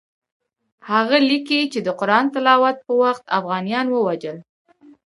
هغه لیکي چې د قرآن تلاوت په وخت اوغانیان ووژل.